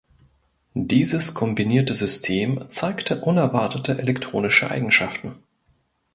Dieses kombinierte System zeigte unerwartete elektronische Eigenschaften.